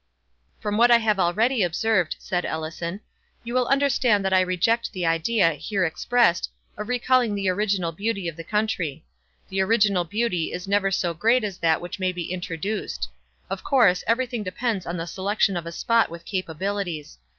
"From what I have already observed," said Ellison, "you will understand that I reject the idea, here expressed, of recalling the original beauty of the country. The original beauty is never so great as that which may be introduced. Of course, every thing depends on the selection of a spot with capabilities.